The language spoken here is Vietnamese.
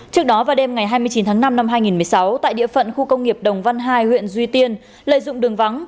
trước đó vào đêm ngày hai mươi chín tháng năm năm hai nghìn một mươi sáu tại địa phận khu công nghiệp đồng văn hai huyện duy tiên lợi dụng đường vắng